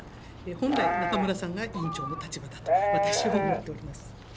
本来、中村さんが委員長の立場だと私は思っております。